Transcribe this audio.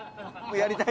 やりたい。